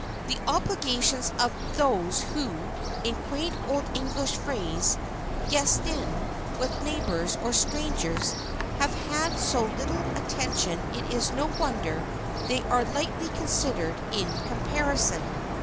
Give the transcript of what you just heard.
The obligations of those who, in quaint old English phrase, "guesten" with neighbors, or strangers, have had so little attention it is no wonder they are lightly considered, in comparison.